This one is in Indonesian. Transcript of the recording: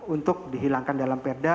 untuk dihilangkan dalam perda